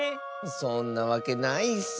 そんなわけないッス！